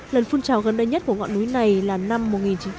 lần phun trào gần đây nhất của ngọn núi này là năm một nghìn chín trăm bảy mươi